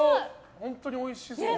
本当においしそうな。